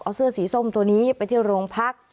เอาเสื้อสีส้มตัวนี้ไปเที่ยวโรงพัก